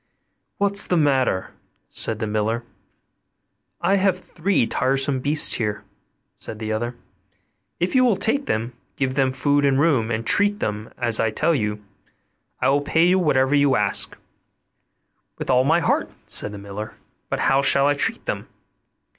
'What's the matter?' said the miller. 'I have three tiresome beasts here,' said the other; 'if you will take them, give them food and room, and treat them as I tell you, I will pay you whatever you ask.' 'With all my heart,' said the miller; 'but how shall I treat them?